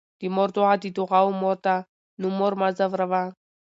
د مور دعاء د دعاوو مور ده، نو مور مه ځوروه